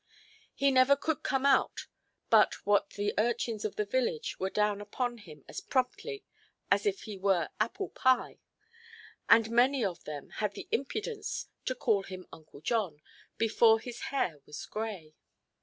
He never could come out but what the urchins of the village were down upon him as promptly as if he were apple–pie; and many of them had the impudence to call him "Uncle John" before his hair was grey.